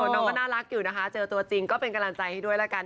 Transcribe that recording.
น้องก็น่ารักอยู่นะคะเจอตัวจริงก็เป็นกำลังใจให้ด้วยละกัน